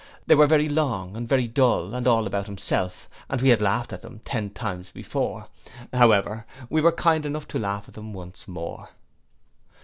They were very long, and very dull, and all about himself, and we had laughed at them ten times before: however, we were kind enough to laugh at them once more.